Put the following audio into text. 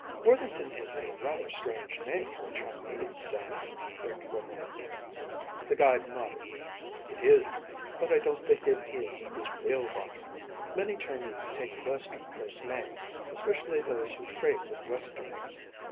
"Worthington is a rather strange name for a Chinese, Sing," Rick remarked. The guide nodded. "It is. But I don't think it is his real one. Many Chinese take western first names, especially those who trade with westerners.